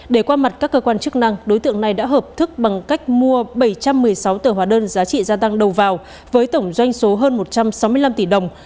để qua mặt các cơ quan chức năng đối tượng này đã hợp thức bằng cách mua bảy trăm một mươi sáu tờ hóa đơn giá trị gia tăng đầu vào với tổng doanh số hơn một trăm sáu mươi năm tỷ đồng